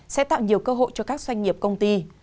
sẽ tạo nhiều cơ hội cho các doanh nghiệp công ty